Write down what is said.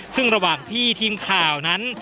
ซึ่งระหว่างที่ทีมข่าวนั้น